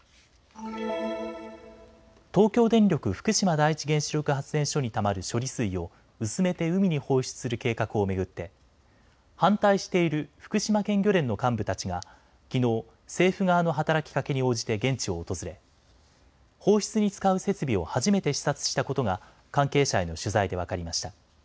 東京電力福島第一原子力発電所にたまる処理水を薄めて海に放出する計画を巡って反対している福島県漁連の幹部たちがきのう政府側の働きかけに応じて現地を訪れ放出に使う設備を初めて視察したことが関係者への取材で分かりました。